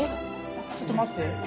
えっ、ちょっと待って。